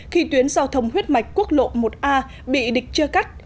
khi tuyến giao thông huyết mạch quốc lộ một a bị địch chưa cắt